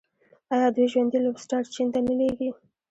آیا دوی ژوندي لوبسټر چین ته نه لیږي؟